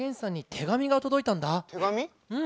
手紙？